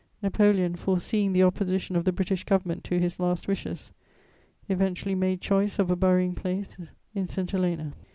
Napoleon, foreseeing the opposition of the British Government to his last wishes, eventually made choice of a burying place in St. Helena.